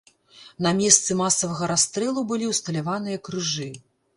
На месцы масавага расстрэлу былі ўсталяваныя крыжы.